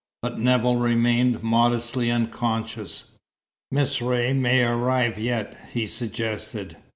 But Nevill remained modestly unconscious. "Miss Ray may arrive yet," he suggested.